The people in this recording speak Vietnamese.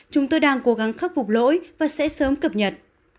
chúng tôi đang cố gắng khắc phục lỗi và sẽ sớm cập nhật